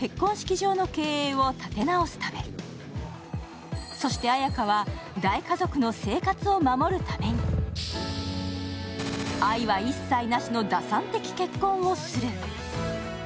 東郷は理想の夫婦を演じ広告塔となり結婚式場の経営を立て直すためそして綾華は大家族の生活を守るために愛は一切なしの打算的結婚をする。